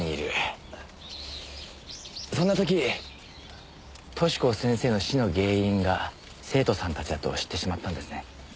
そんな時寿子先生の死の原因が生徒さんたちだと知ってしまったんですね。